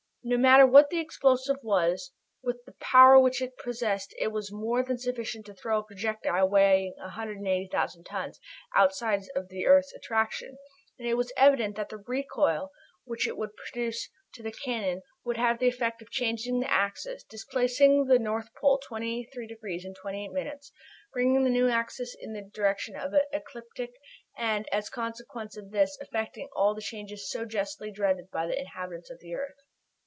No matter what the explosive was, with the power which it possessed it was more than sufficient to throw a projectile weighing 180,000 tons outside of the earth's attraction, and it was evident that the recoil which it would produce to the cannon would have the effect of changing the axis, displacing the North Pole 23 degrees and 28 minutes, bringing the new axis in the direction of the ecliptic, and, as a consequence of this, effecting all the changes so justly dreaded by the inhabitants of the earth.